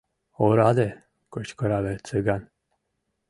— Ораде! — кычкырале Цыган.